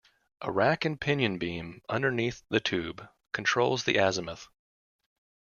A rack and pinion beam underneath the tube controls the azimuth.